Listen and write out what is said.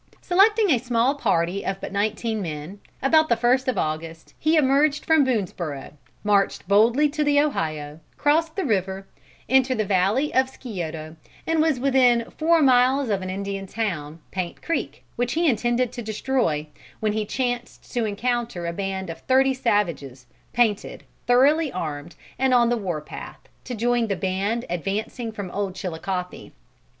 Selecting a small party of but nineteen men, about the first of August he emerged from Boonesborough, marched boldly to the Ohio, crossed the river, entered the valley of the Scioto, and was within four miles of an Indian town, Paint Creek, which he intended to destroy, when he chanced to encounter a band of thirty savages painted, thoroughly armed and on the war path, to join the band advancing from Old Chilicothe.